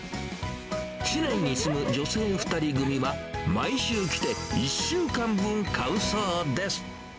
市内に住む女性２人組は、毎週来て、１週間分買うそうです。